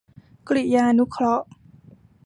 กริยานุเคราะห์